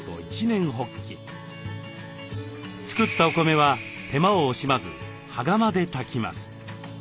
作ったお米は手間を惜しまず羽釜で炊きます。